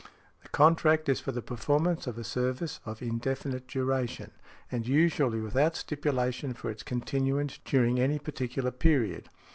The contract is for the performance of a service of indefinite duration, and usually without stipulation for its continuance during any particular period.